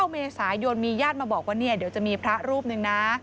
เมษายนมีญาติมาบอกว่าเนี่ยเดี๋ยวจะมีพระรูปหนึ่งนะ